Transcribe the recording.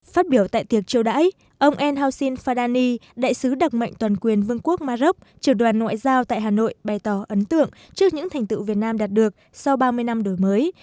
phát biểu tại tiệc chiều đáy ông en hao sin fadani đại sứ đặc mệnh toàn quyền vương quốc ma rốc triều đoàn ngoại giao tại hà nội bày tỏ ấn tượng trước những thành tựu việt nam đạt được sau ba mươi năm đổi mới